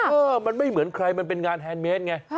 เออมันไม่เหมือนใครมันเป็นงานแฮนดเมสไง